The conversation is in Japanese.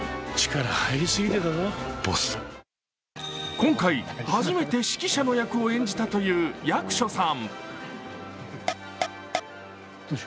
今回、初めて指揮者の役を演じたという役所さん。